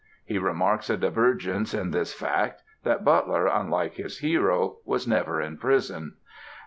He remarks a divergence in this fact, that Butler, unlike his hero, was never in prison.